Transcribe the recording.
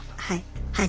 はい。